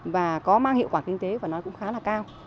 và có mang hiệu quả kinh tế và nó cũng khá là cao